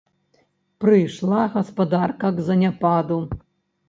Прыйшла гаспадарка к заняпаду.